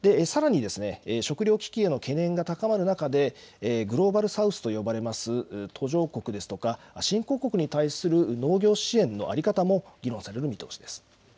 さらに食料危機への懸念が高まる中でグローバル・サウスと呼ばれます途上国ですとか新興国に対する農業支援の在り方も議論される見通しです。